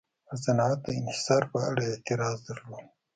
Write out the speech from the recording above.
پر صنعت د انحصار په اړه اعتراض درلود.